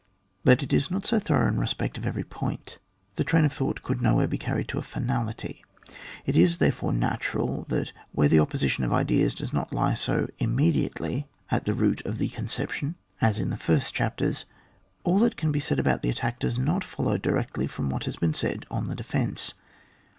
But it is not so throughout in respect of every point; the train of thought could no where be carried to a finality ; it is, there fore, natural that where the opposition of ideas does not lie so immediately at the root of the conception as in the first chapters, all that can be said about the attack does not foUow directly from what has been said on the defence.